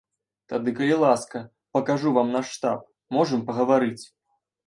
Тады калі ласка, пакажу вам наш штаб, можам пагаварыць.